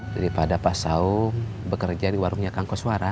daripada pak saum bekerja di warung nyakang kosuara